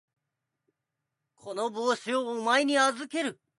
この帽子をお前に預ける。